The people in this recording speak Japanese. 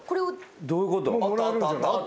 どういうこと？